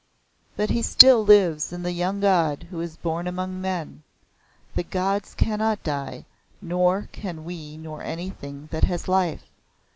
But he lives still in the young God who is born among men. The gods cannot die, nor can we nor anything that has life.